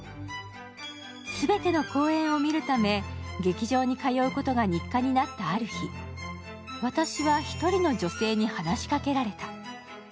全ての公園を見るため劇場へ通うことが日課になったある日、私は一人の女性に話しかけられた。